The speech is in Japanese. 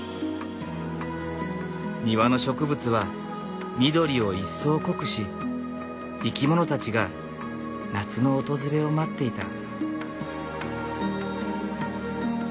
庭の植物は緑を一層濃くし生き物たちが夏の訪れを待っていた。